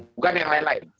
bukan yang lain lain